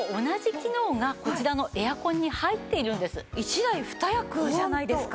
１台２役じゃないですか。